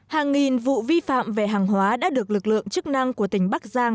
hàng nghìn vụ vi phạm về hàng hóa đã được lực lượng chức năng của tỉnh bắc giang